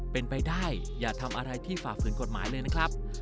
เป็นไปได้อย่าทำอะไรที่ฝ่าฝืนกฎหมายเลยนะครับ